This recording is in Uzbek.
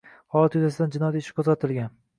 Holat yuzasidan jinoyat ishi qo‘zg‘atilgan